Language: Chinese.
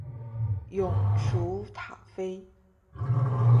永雏塔菲